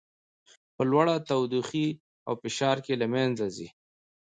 په لوړه تودوخې او فشار کې له منځه ځي.